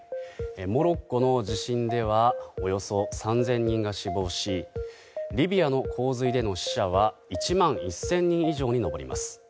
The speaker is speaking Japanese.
モロッコの地震ではおよそ３０００人が死亡しリビアの洪水での死者は１万１０００人以上に上ります。